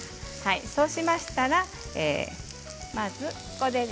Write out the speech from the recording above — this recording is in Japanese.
そうしましたら、まずここで。